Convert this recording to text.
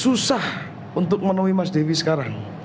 susah untuk menemui mas devi sekarang